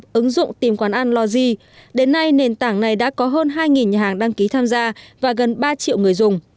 ứng dụng tìm quán ăn logi đến nay nền tảng này đã có hơn hai nhà hàng đăng ký tham gia và gần ba triệu người dùng